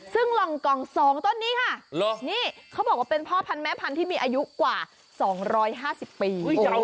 ซึ่งหล่องกล่อง๒ต้นนี้ค่ะนี่เขาบอกว่าเป็นพ่อพันธ์แม่พันธุ์ที่มีอายุกว่า๒๕๐ปี